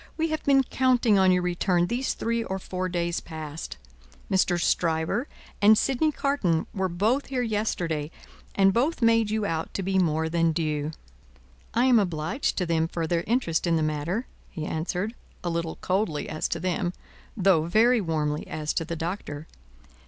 We have been counting on your return these three or four days past. Mr. Stryver and Sydney Carton were both here yesterday, and both made you out to be more than due." "I am obliged to them for their interest in the matter," he answered, a little coldly as to them, though very warmly as to the Doctor.